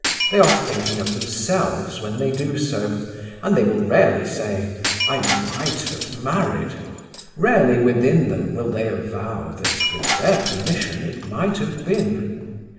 They are thinking of themselves when they do so, and they will rarely say, "I might have married;" rarely within them will they avow that, with their permission, it might have been.